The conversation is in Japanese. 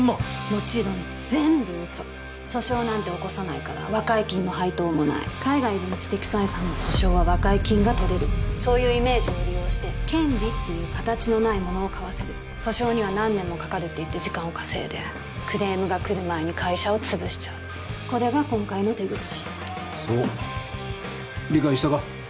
もちろん全部嘘訴訟なんて起こさないから和解金の配当もない海外の知的財産の訴訟は和解金がとれるそういうイメージを利用して権利っていう形のないものを買わせる訴訟には何年もかかるって言って時間を稼いでクレームが来る前に会社を潰しちゃうこれが今回の手口そう理解したか？